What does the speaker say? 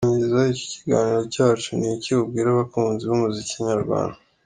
com:Turangiza iki kiganiro cyacu ni iki ubwira abakunzi b'umuzik inyarwanda?.